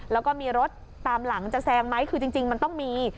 แล้วก็มีรถตามหลังจะแซงไหมคือจริงมันต้องมี